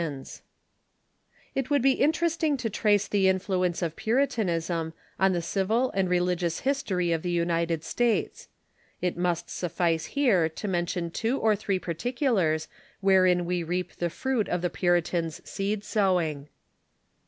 ] It would be interesting to trace the influence of Puritanism on the civil and religious history of the United States. It must suffice here to mention two or three particulars wherein we reap the fruit of the Puritans' seed sowing.